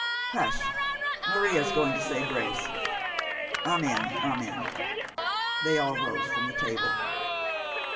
Hush! Maria's going to say grace. Amen! Amen!" They all rose from the table.